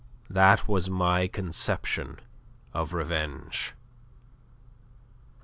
That was my conception of revenge.